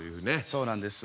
そうなんです。